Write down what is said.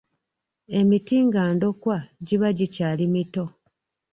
"Emiti nga ndokwa, giba gikyali mito. "